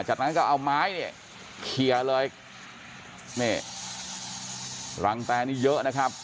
จากนั้นก็เอาไม้เนี่ยเคลียร์เลยนี่รังแตนี่เยอะนะครับ